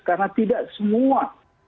karena tidak semua